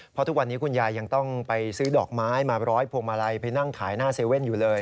เพราะทุกวันนี้คุณยายยังต้องไปซื้อดอกไม้มาร้อยพวงมาลัยไปนั่งขายหน้าเซเว่นอยู่เลย